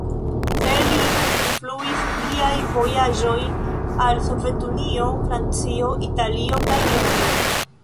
Tre lin influis liaj vojaĝoj al Sovetunio, Francio, Italio kaj Grekio.